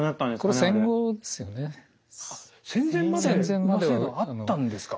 戦前まで乳母制度あったんですか。